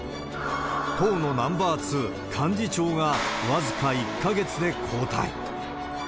党のナンバー２、幹事長が僅か１か月で交代。